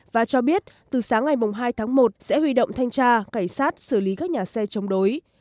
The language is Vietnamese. và cho biết từ sáng ngày hai tháng một sẽ huy động thanh tra cảnh sát xử lý các nhà xe chống đối